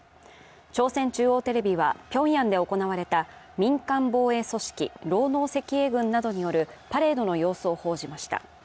朝鮮中央テレビは、ピョンヤンで行われた民間防衛組織、労農赤衛軍などによるパレードの様子を報じました。